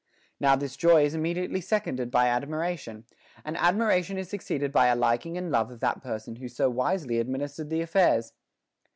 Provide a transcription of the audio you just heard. Now this joy is immediately seconded by admira tion, and admiration is succeeded by a liking and love of that person who so wisely administered the affairs.